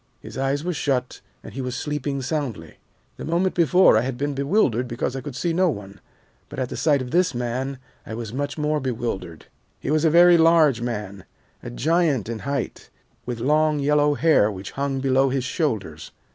His eyes were shut, and he was sleeping soundly. "The moment before I had been bewildered because I could see no one, but at sight of this man I was much more bewildered. "He was a very large man, a giant in height, with long yellow hair which hung below his shoulders.